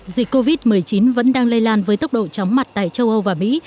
dịch covid một mươi chín vẫn đang lây lan với tốc độ chóng mặt tại châu âu và mỹ